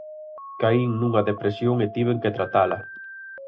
Caín nunha depresión e tiven que tratala.